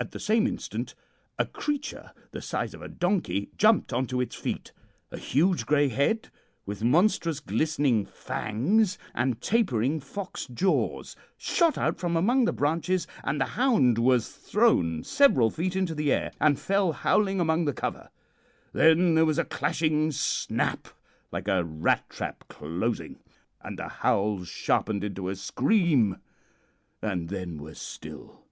At the same instant, a creature the size of a donkey jumped on to its feet, a huge grey head, with monstrous glistening fangs and tapering fox jaws, shot out from among the branches, and the hound was thrown several feet into the air, and fell howling among the cover. Then there was a clashing snap, like a rat trap closing, and the howls sharpened into a scream and then were still.